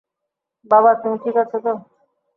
বাবা, তুমি ঠিক আছো তো?